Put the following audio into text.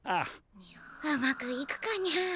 うまくいくかにゃ。